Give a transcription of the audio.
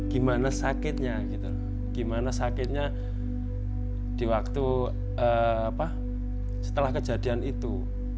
gimana sakitnya gitu gimana sakitnya di waktu setelah kejadian itu